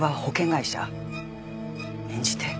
演じて。